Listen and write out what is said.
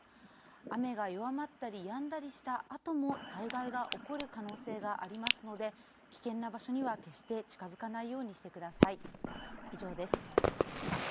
雨が弱まったりやんだりしたあとも、災害が起こる可能性がありますので、危険な場所には決して近づかないようにしてください。